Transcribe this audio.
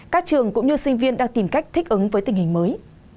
các trường cũng như sinh viên đang tìm cách thích ứng với tình hình mới